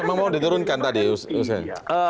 tapi mau diterunkan tadi usen